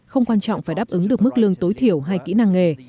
không quan trọng phải đáp ứng được mức lương tối thiểu hay kỹ năng nghề